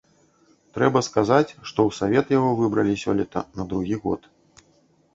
Трэба сказаць, што ў савет яго выбралі сёлета на другі год.